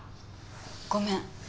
ごめん。